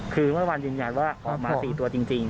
คือเมื่อวานยืนยันว่าออกมา๔ตัวจริง